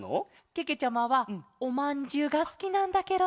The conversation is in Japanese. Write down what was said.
けけちゃまはおまんじゅうがすきなんだケロ。